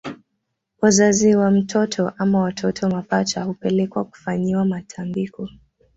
Wazazi wa mtoto ama watoto mapacha hupelekwa kufanyiwa matambiko